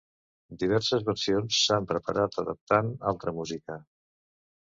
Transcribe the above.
Diverses versions s'han preparat adaptant altra música.